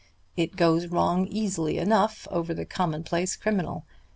"It goes wrong easily enough over the commonplace criminal.